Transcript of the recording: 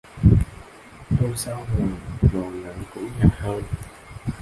Đông sang rồi màu nắng cũng nhạt hơn